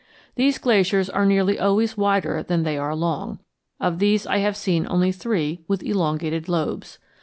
These glaciers are nearly always wider than they are long; of these I have seen only three with elongated lobes.